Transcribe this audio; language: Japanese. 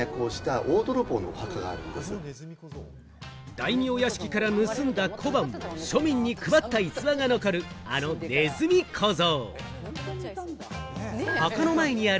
大名屋敷から盗んだ小判を庶民に配った逸話が残る、あの鼠小僧。